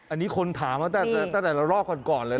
อันนี้คนถามแล้วแต่แต่ละรอบก่อนเลยนะ